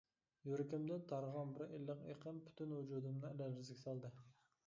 يۈرىكىمدىن تارىغان بىر ئىللىق ئېقىم پۈتۈن ۋۇجۇدۇمنى لەرزىگە سالدى.